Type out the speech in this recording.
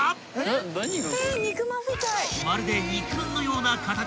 ［まるで肉まんのような形。